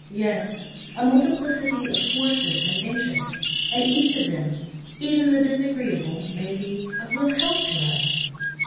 Yes, a multiplicity of forces and interests, and each of them, even the disagreeable, may be of real help to us.